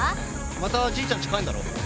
またじいちゃんち帰んだろ。